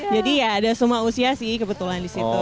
jadi ya ada semua usia sih kebetulan disitu